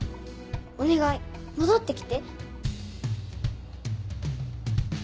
お願い戻ってきて。